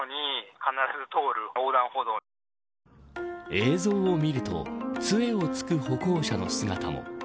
映像を見るとつえを突く歩行者の姿も。